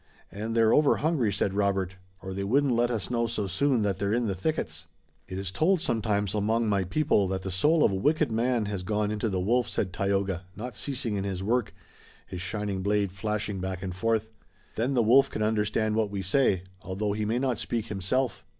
"And they're over hungry," said Robert, "or they wouldn't let us know so soon that they're in the thickets." "It is told sometimes, among my people, that the soul of a wicked man has gone into the wolf," said Tayoga, not ceasing in his work, his shining blade flashing back and forth. "Then the wolf can understand what we say, although he may not speak himself."